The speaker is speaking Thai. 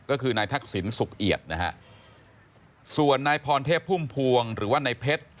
ก็คือนายทักษิณสุขเอียดนะฮะส่วนนายพรเทพพุ่มพวงหรือว่านายเพชร